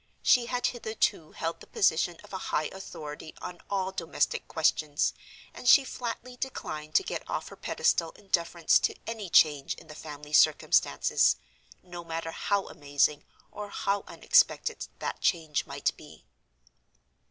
She had hitherto held the position of a high authority on all domestic questions; and she flatly declined to get off her pedestal in deference to any change in the family circumstances, no matter how amazing or how unexpected that change might be.